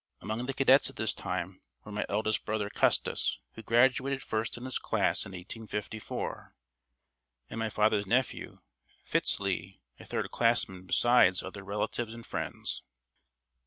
Among the cadets at this time were my eldest brother, Custis, who graduated first in his class in 1854, and my father's nephew, Fitz Lee, a third classman, besides other relatives and friends.